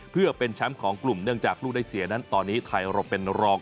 เพื่อเป็นแชมป์ของกลุ่มเนื่องจากลูกได้เสียนั้นตอนนี้ไทยเราเป็นรอง